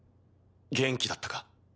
元気だったか？